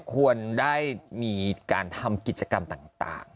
ควรได้มีการทำกิจกรรมต่าง